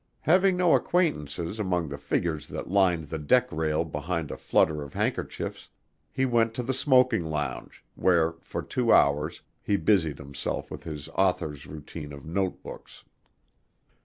Having no acquaintances among the figures that lined the deck rail behind a flutter of handkerchiefs, he went to the smoking lounge where for two hours he busied himself with his author's routine of note books.